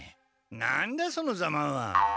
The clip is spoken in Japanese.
何だそのざまは！